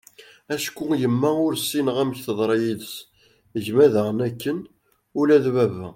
acku yemma ur ssineγ amek teḍṛa yid-s, gma diγen akken, ula d baba